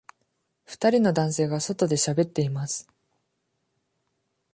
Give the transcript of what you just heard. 二人の男性が外でしゃべっています。